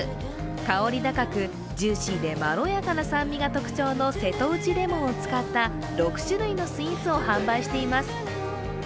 香り高く、ジューシーでまろやかな酸味が特徴の瀬戸内レモンを使った６種類のスイーツを販売しています